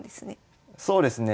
そうですね。